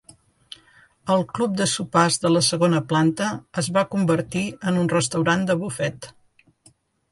El club de sopars de la segona planta es va convertir en un restaurant de bufet.